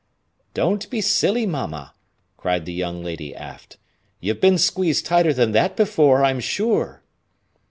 "Don't be silly, mamma," cried the young lady aft. "You've been squeezed tighter than that before, I am sure."